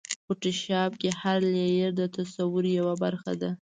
فوټوشاپ کې هر لېیر د تصور یوه برخه ده.